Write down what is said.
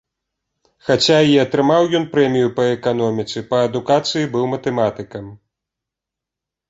Хаця і атрымаў ён прэмію па эканоміцы, па адукацыі быў матэматыкам.